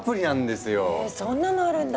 ヘそんなのあるんだ！